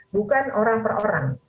bukan orang per orang